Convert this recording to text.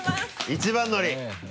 一番乗り。